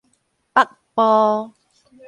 北埔